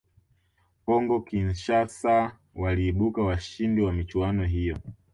congo Kinshasa waliibuka washindi wa michuano hiyo